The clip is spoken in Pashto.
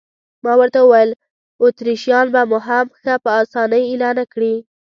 ما ورته وویل: اتریشیان به مو هم ښه په اسانۍ اېله نه کړي.